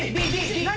何？